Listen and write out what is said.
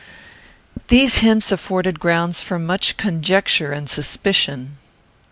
These hints afforded grounds for much conjecture and suspicion.